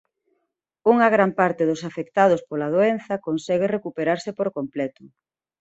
Unha gran parte dos afectados pola doenza consegue recuperarse por completo.